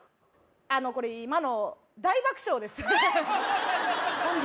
あのこれ今の大爆笑ですえっ？